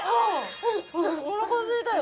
うんおなかすいたよ